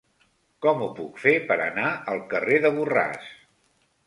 Com ho puc fer per anar al carrer de Borràs?